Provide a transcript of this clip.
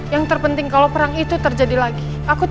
yang terpenting kalau perang itu terjadi lagi